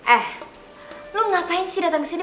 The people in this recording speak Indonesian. eh lu ngapain sih datang kesini